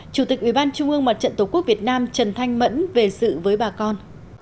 chủ tịch ủy ban trung ương mặt trận tổ quốc việt nam trần thanh mẫn về sự với bà con